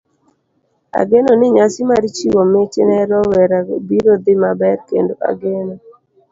Ageno ni nyasi mar chiwo mich ne rowerewa biro dhi maber, kendo ageno